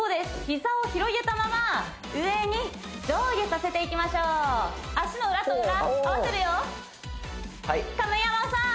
膝を広げたまま上に上下させていきましょう足の裏と裏合わせるよ神山さん